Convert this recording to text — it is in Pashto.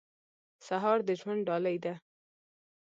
سهار د ژوند ډالۍ ده.